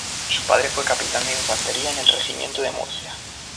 Su padre fue Capitán de infantería en el Regimiento de Murcia.